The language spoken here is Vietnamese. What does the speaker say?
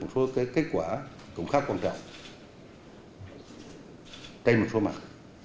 đã đạt được một số kết quả cũng khá quan trọng trên một số mặt